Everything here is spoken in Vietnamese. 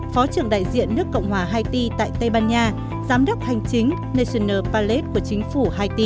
phó trưởng đại diện nước cộng hòa haiti tại tây ban nha giám đốc hành chính national pallet của chính phủ haiti